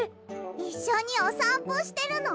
いっしょにおさんぽしてるの？